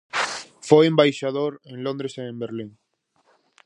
Foi embaixador en Londres e en Berlín.